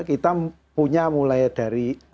kita punya mulai dari